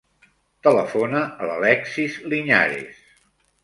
Telefona a l'Alexis Liñares.